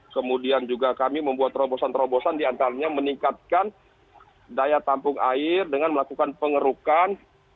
kemudian juga kami membuat terobosan terobosan diantaranya meningkatkan daya tampung air dengan melakukan pengerukan